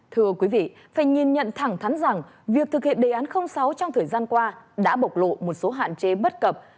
thưa quý vị phải nhìn nhận thẳng thắn rằng việc thực hiện đề án sáu trong thời gian qua đã bộc lộ một số hạn chế bất cập